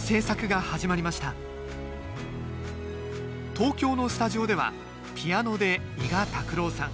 東京のスタジオではピアノで伊賀拓郎さん